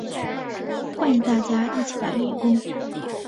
欢迎大家一起来练功